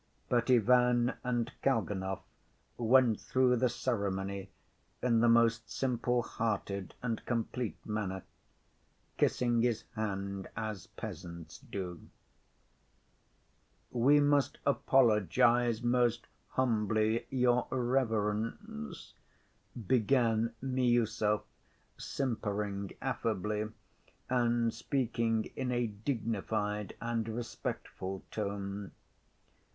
But Ivan and Kalganov went through the ceremony in the most simple‐hearted and complete manner, kissing his hand as peasants do. "We must apologize most humbly, your reverence," began Miüsov, simpering affably, and speaking in a dignified and respectful tone.